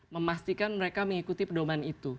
memastikan mereka mengikuti pedoman itu